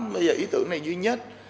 bây giờ ý tưởng này duy nhất